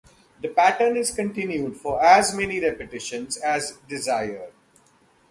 The pattern is continued for as many repetitions as desired.